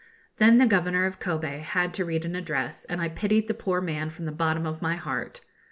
Then the Governor of Kobe had to read an address, and I pitied the poor man from the bottom of my heart.